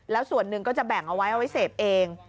แล้วส่วนหนึ่งก็จะแบ่งเอาไว้เอาไว้เสพเอง